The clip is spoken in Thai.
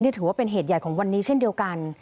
ถือว่าเป็นเหตุใหญ่ของวันนี้เช่นเดียวกัน